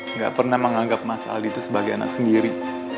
nggak pernah menganggap mas aldi itu sebagai anak sendiri